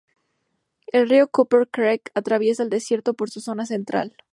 El río Cooper Creek atraviesa el desierto por su zona central.